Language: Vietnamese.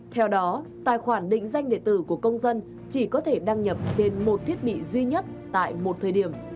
theo đó tài khoản định danh địa tử của công dân chỉ có thể đăng nhập trên một thiết bị duy nhất tại một thời điểm